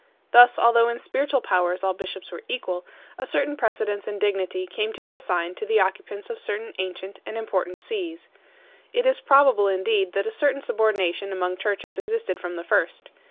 Thus, although in spiritual powers all bishops were equal, a certain precedence in dignity came to be assigned to the occupants of certain ancient and important sees. It is probable indeed that a certain subordination among churches existed from the first.